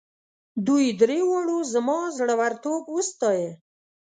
دوی دریو واړو زما زړه ورتوب وستایه.